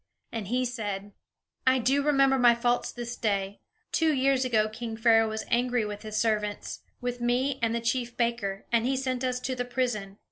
And he said: "I do remember my faults this day. Two years ago king Pharaoh was angry with his servants, with me and the chief baker; and he sent us to the prison.